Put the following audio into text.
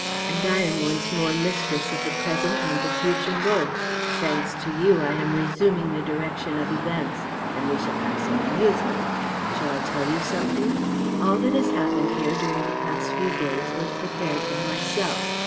And I am once more mistress of the present and the future both. Thanks to you, I am resuming the direction of events; and we shall have some amusement. ... Shall I tell you something? All that has happened here during the past few days was prepared by myself.